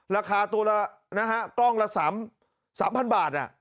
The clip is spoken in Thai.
ราคาตัวละกล้องละ๓๐๐๐บาท